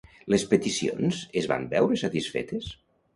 Les peticions es van veure satisfetes?